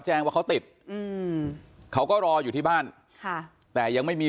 แจ้งว่าเขาติดอืมเขาก็รออยู่ที่บ้านค่ะแต่ยังไม่มี